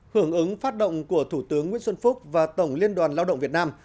hưởng ứng phát động của thủ tướng nguyễn xuân phúc và tổng liên đoàn lao động việt nam